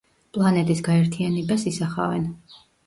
პლანეტის გაერთიანებას ისახავენ.